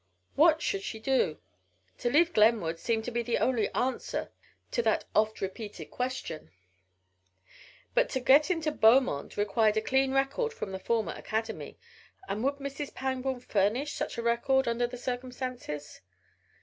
What should she do? To leave Glenwood seemed to be the only answer to that oft repeated question. But to get into Beaumonde required a clean record from the former academy, and would Mrs. Pangborn furnish such a record under the circumstances?